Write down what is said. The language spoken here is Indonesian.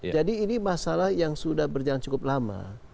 jadi ini masalah yang sudah berjalan cukup lama